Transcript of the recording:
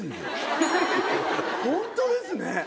本当ですね。